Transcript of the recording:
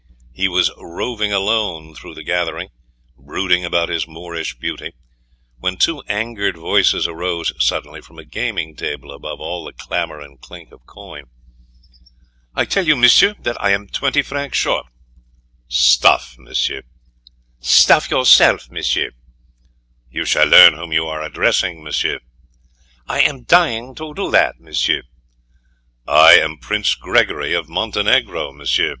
He was roving alone through the gathering, brooding about his Moorish beauty, when two angered voices arose suddenly from a gaming table above all the clamour and chink of coin. "I tell you, M'sieu, that I am twenty francs short!" "Stuff, M'sieu!" "Stuff yourself; M'sieu!" "You shall learn whom you are addressing, M'sieu!" "I am dying to do that, M'sieu!" "I am Prince Gregory of Montenegro, M'sieu."